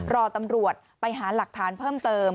รอตำรวจไปหาหลักฐานเพิ่มเติม